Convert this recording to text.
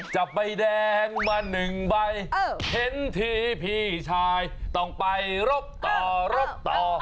จับใบแดงมาหนึ่งใบเห็นทีพี่ชายต้องไปรบต่อรบต่อ